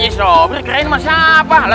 ini sobri keren masa apa